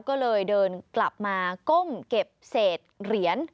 ก็เลยเดินกลับมาก้มเก็บเศษเหรียญ